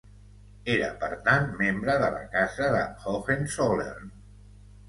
Era, per tant, membre de la Casa de Hohenzollern.